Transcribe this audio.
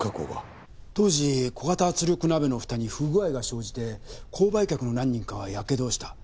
当時小型圧力鍋の蓋に不具合が生じて購買客の何人かがやけどをした。